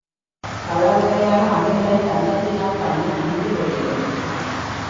பலவகையான அணிகளைத் தங்கத்தினால் பண்ணி அணிந்து கொள்கிறோம்.